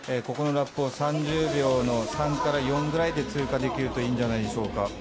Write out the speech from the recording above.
ここのラップを３０秒の３から４ぐらいで通過できるといいんじゃないでしょうか。